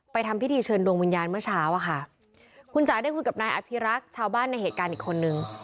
ทำพิธีเชิญดวงวิญญาณเมื่อเช้าอะค่ะคุณจ๋าได้คุยกับนายอภิรักษ์ชาวบ้านในเหตุการณ์อีกคนนึง